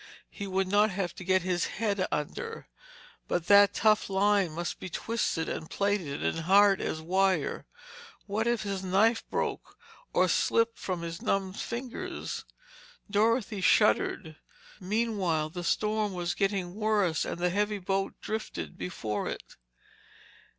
He would not have to get his head under, but that tough line must be twisted and plaited and hard as wire. What if his knife broke, or slipped from his numbed fingers? Dorothy shuddered. Meanwhile, the storm was getting worse and the heavy boat drifted before it.